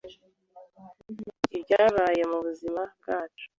byabaye mu buzima bwacu